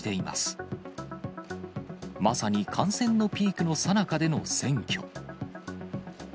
まさに感染のピークのさなかでの選挙。